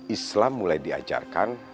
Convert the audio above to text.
islam mulai diajarkan